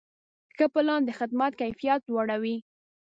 ښه پلان د خدمت کیفیت لوړوي.